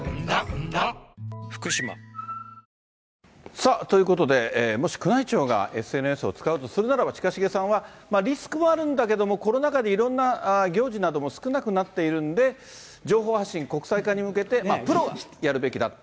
さあ、ということで、もし宮内庁がＳＮＳを使うとするならば、近重さんは、リスクもあるんだけれども、コロナ禍でいろんな行事なども少なくなっているんで、情報発信、国際化に向けて、プロがやるべきだと。